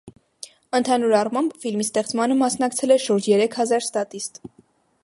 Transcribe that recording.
Ընդհանուր առմամբ, ֆիլմի ստեղծմանը մասնակցել է շուրջ երեք հազար ստատիստ։